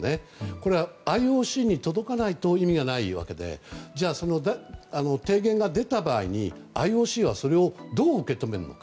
これはＩＯＣに届かないと意味がないわけでじゃあ提言が出た場合にＩＯＣはそれをどう受け止めるのか。